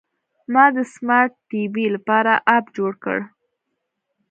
ما د سمارټ ټي وي لپاره اپ جوړ کړ.